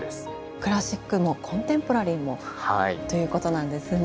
クラシックもコンテンポラリーもということなんですね。